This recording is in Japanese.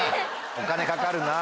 お金かかるな。